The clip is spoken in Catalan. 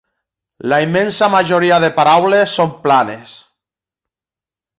La immensa majoria de paraules són planes.